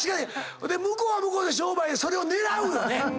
ほんで向こうは向こうで商売それを狙うよね。